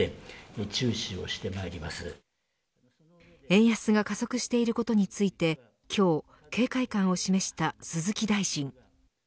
円安が加速していることについて今日、警戒感を示した鈴木大臣。